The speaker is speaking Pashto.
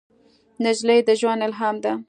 نجلۍ د ژوند الهام ده.